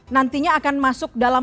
nantinya akan masuk dalam